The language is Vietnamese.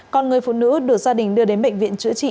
còn người phụ nữ được gia đình đưa đến bệnh viện chữa trị